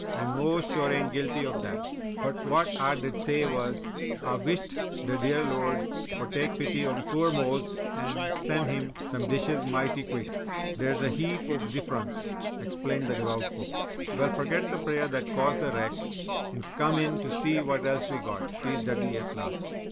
And Mose sure ain't guilty of dat! But, what Ah did say was 'Ah wisht de dear Lord woul' take pity on poor Mose an' sen' him some dishes mighty quick! Dere's a heap ov diffrunce," explained the devout cook. "Well, forget the prayer that caused the wreck, and come in to see what else we got," teased Dudley, at last.